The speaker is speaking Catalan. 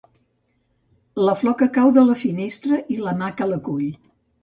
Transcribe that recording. La flor que cau de la finestra i la mà que la cull